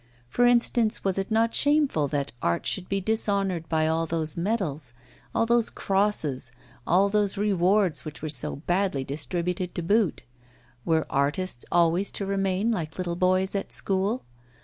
For instance, was it not shameful that art should be dishonoured by all those medals, all those crosses, all those rewards, which were so badly distributed to boot? Were artists always to remain like little boys at school?